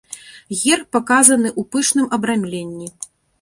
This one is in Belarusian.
Герб паказаны ў пышным абрамленні.